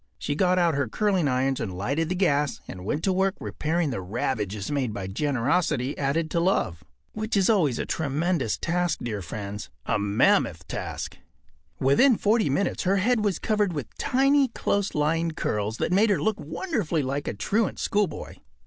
She got out her curling irons and lighted the gas and went to work repairing the ravages made by generosity added to love. Which is always a tremendous task, dear friends—a mammoth task. Within forty minutes her head was covered with tiny, close lying curls that made her look wonderfully like a truant schoolboy.